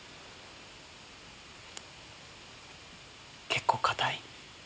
結構硬い？